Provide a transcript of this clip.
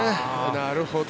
なるほど。